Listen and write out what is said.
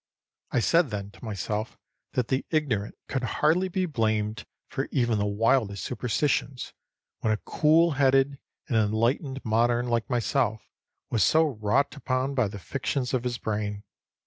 I said then to myself that the ignorant could hardly be blamed for even the wildest superstitions, when a cool headed and enlightened modern like myself was so wrought upon by the fictions of his brain.